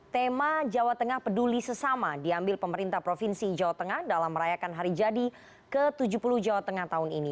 tema jawa tengah peduli sesama diambil pemerintah provinsi jawa tengah dalam merayakan hari jadi ke tujuh puluh jawa tengah tahun ini